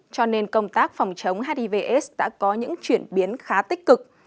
cho nên công tác phòng chống hivs đã có những chuyển biến khá tích cực